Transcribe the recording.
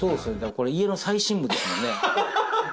これ家の最深部ですもんね。